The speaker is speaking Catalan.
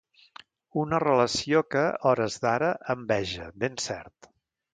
Una relació que, a hores d'ara, envege, ben cert.